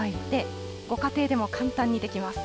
ご家庭でも簡単にできます。